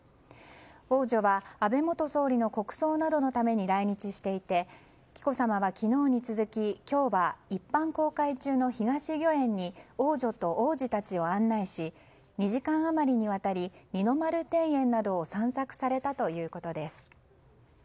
王女は安倍元総理の国葬などのために来日していて紀子さまは昨日に続き今日は一般公開中の東御苑に王女と王子たちを案内し２時間余りにわたり二の丸庭園などを散策されたということです。